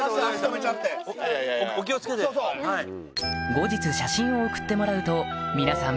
後日写真を送ってもらうと皆さん